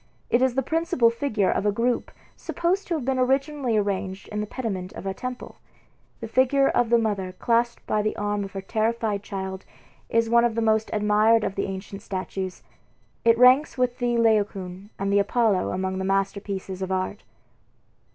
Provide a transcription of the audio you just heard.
It is the principal figure of a group supposed to have been originally arranged in the pediment of a temple. The figure of the mother clasped by the arm of her terrified child is one of the most admired of the ancient statues. It ranks with the Laocoon and the Apollo among the masterpieces of art.